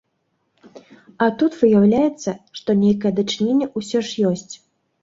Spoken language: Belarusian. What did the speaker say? А тут выяўляецца, што нейкае дачыненне ўсё ж ёсць.